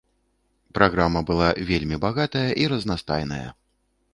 Праграма была вельмі багатая і разнастайная.